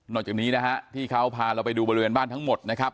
จากนี้นะฮะที่เขาพาเราไปดูบริเวณบ้านทั้งหมดนะครับ